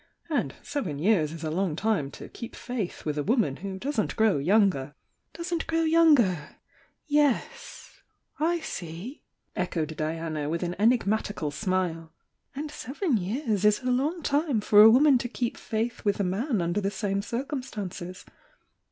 And seven years is a long time to keep faith with a woman who doesn't grow younger " "Doesn't grow younger— yes — I see!" echoed Di ana, with an enigmatical smile. "And seven years is a long time for a woman to keep faith with a man under the same circumstances.